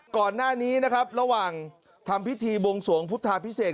ก่อนหน้านี้นะครับระหว่างทำพิธีบวงสวงพุทธาพิเศษ